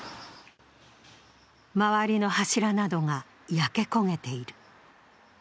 周りの柱などが焼け焦げている。